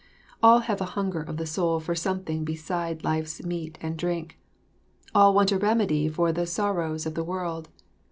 All have a hunger of the soul for something beside life's meat and drink; all want a remedy for the sorrows of the world.